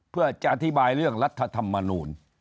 เพื่อจะอธิบายเรื่องรัฐธรรมนูล